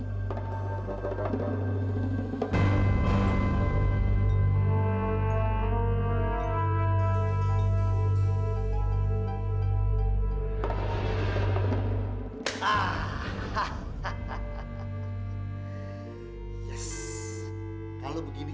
nah kalau lo lihat ini